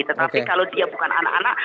tetapi kalau dia bukan anak anak